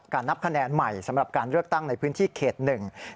นับคะแนนใหม่สำหรับการเลือกตั้งในพื้นที่เขตหนึ่ง